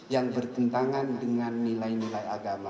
yang bertentangan dengan nilai nilai agama